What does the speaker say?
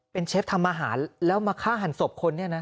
เป็นเชฟทำอาหารแล้วมาฆ่าหันศพคนเนี่ยนะ